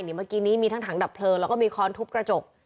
เมื่อกี้นี้มีทั้งถังดับเพลิงแล้วก็มีค้อนทุบกระจก